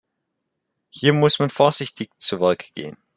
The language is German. Hier muss man vorsichtig zu Werke gehen.